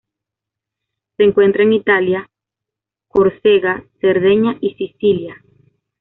Se encuentra en Italia, Córcega, Cerdeña y Sicilia.